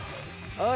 はい。